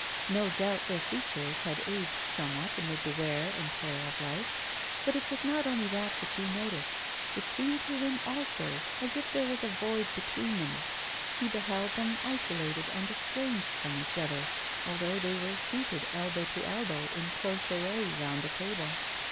No doubt their features had aged somewhat amid the wear and tear of life; but it was not only that which he noticed, it seemed to him also as if there was a void between them; he beheld them isolated and estranged from each other, although they were seated elbow to elbow in close array round the table.